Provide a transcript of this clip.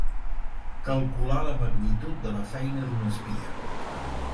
Calcular la magnitud de la feina d'un espia.